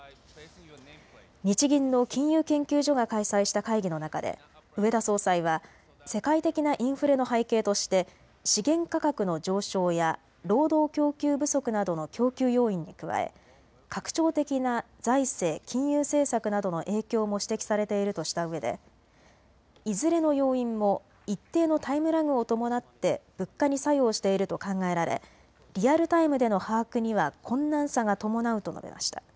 日銀の金融研究所が開催した会議の中で植田総裁は世界的なインフレの背景として資源価格の上昇や労働供給不足などの供給要因に加え拡張的な財政・金融政策などの影響も指摘されているとしたうえでいずれの要因も一定のタイムラグを伴って物価に作用していると考えられリアルタイムでの把握には困難さが伴うと述べました。